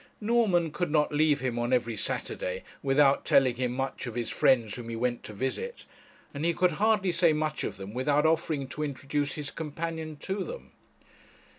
Norman could not leave him on every Saturday without telling him much of his friends whom he went to visit, and he could hardly say much of them without offering to introduce his companion to them.